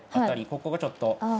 ここがちょっと。